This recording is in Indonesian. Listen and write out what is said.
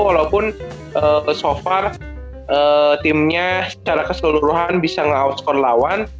walaupun so far timnya secara keseluruhan bisa ngelawaskan lawan